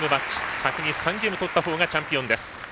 先に３ゲーム取ったほうがチャンピオンです。